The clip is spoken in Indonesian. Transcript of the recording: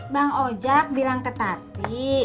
bang ojak bilang ke tati